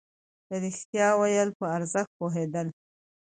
د رښتيا ويلو په ارزښت پوهېدل.